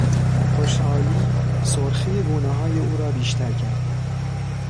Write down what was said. خوشحالی سرخی گونههای او را بیشتر کرد.